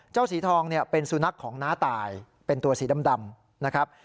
เจ้าสีทองเป็นสูนัขของน้าต่ายเป็นตัวสีดำนะครับ